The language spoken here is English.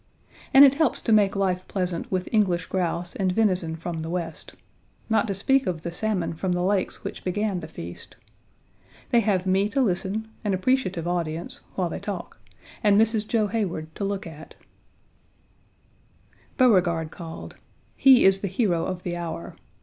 And it helps to make life pleasant with English grouse and venison from the West. Not to speak of the salmon from the lakes which began the feast. They have me to listen, an appreciative audience, while they talk, and Mrs. Joe Heyward to look at. Beauregard 1 called. He is the hero of the hour.